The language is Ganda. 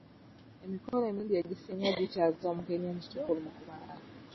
Emikolo emirundi egisinga gikyaza omugenyi omusukkulumu ku balala.